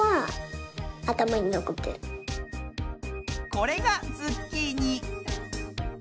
これがズッキーニ。